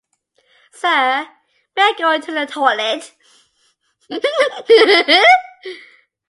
Sir, may I go to the toilet?